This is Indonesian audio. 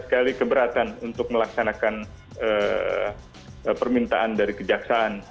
sekali keberatan untuk melaksanakan permintaan dari kejaksaan